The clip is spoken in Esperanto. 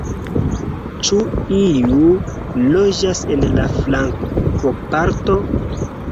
Ĉu iu loĝas en la flankoparto?